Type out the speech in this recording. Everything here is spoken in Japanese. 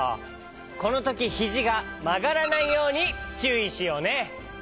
このときひじがまがらないようにちゅういしようね！